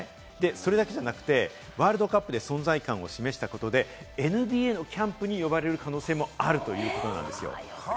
それだけじゃなくてワールドカップで存在感を示したことで、ＮＢＡのキャンプに呼ばれる可能性もあるということなんです。